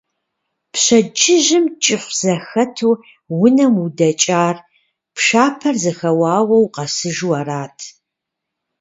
Пщэдджыжьым, кӀыфӀ зэхэту унэм удэкӀар, пшапэр зэхэуауэ укъэсыжу арат.